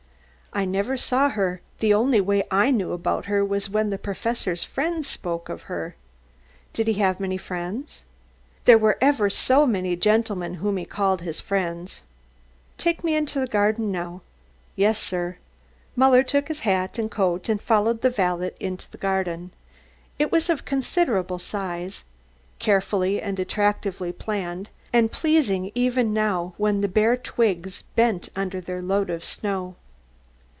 "I never saw her. The only way I knew about her was when the Professor's friends spoke of her." "Did he have many friends?" "There were ever so many gentlemen whom he called his friends." "Take me into the garden now." "Yes, sir." Muller took his hat and coat and followed the valet into the garden. It was of considerable size, carefully and attractively planned, and pleasing even now when the bare twigs bent under their load of snow.